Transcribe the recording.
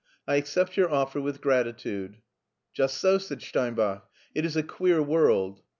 I accept your offer with gratitude." *' Just so," said Steinbach. " It is a queer world.'